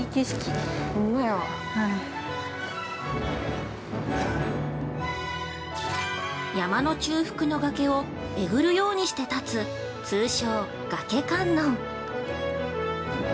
◆山の中腹の崖をえぐるようにして建つ通称「崖観音」。